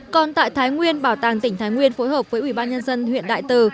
còn tại thái nguyên bảo tàng tỉnh thái nguyên phối hợp với ubnd huyện đại từ